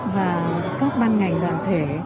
và các ban ngành đoàn thể